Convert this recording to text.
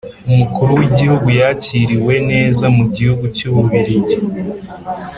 Umukuru w’igihugu yakiriwe neza mu gihugu cy’ububiligi